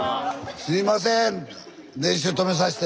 すいません練習止めさして。